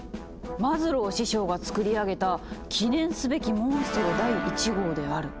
マズロー師匠がつくり上げた記念すべきモンストロ第１号である」。